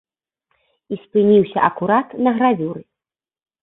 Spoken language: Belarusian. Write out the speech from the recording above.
І спыніўся акурат на гравюры.